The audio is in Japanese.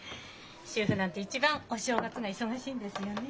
主婦なんて一番お正月が忙しいんですよね。